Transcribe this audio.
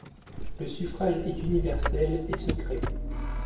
Le suffrage est universel et secret.